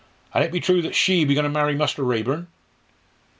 "An' it be true as she be goin' to marry Muster Raeburn?"